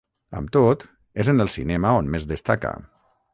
Amb tot, és en el cinema on més destaca.